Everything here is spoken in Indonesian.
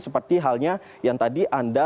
seperti halnya yang tadi anda